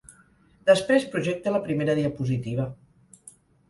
Després projecta la primera diapositiva.